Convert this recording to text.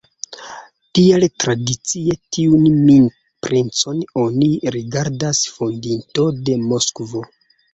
Tial tradicie tiun princon oni rigardas fondinto de Moskvo.